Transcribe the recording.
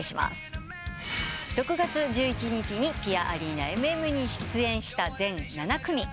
６月１１日にぴあアリーナＭＭに出演した全７組。